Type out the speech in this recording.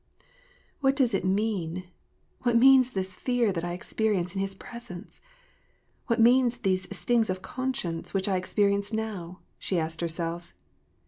" What does it mean ? What means this fear that I experi ence in his presence ? What mean these stings of conscience which I experience now ?'* she asked herself.